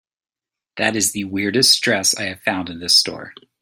That is the weirdest dress I have found in this store.